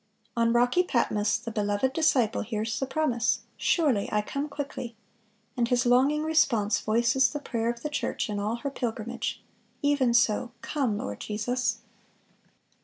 (465) On rocky Patmos the beloved disciple hears the promise, "Surely I come quickly," and his longing response voices the prayer of the church in all her pilgrimage, "Even so, come, Lord Jesus."